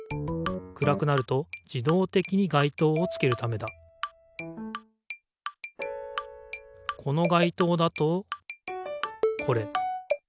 暗くなると自どう的にがいとうをつけるためだこのがいとうだとこれ。